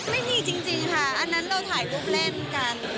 ไม่มีจริงค่ะอันนั้นเราถ่ายรูปเล่นกัน